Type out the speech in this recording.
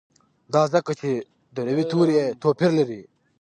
دا ځکه چې د روي توري یې توپیر لري.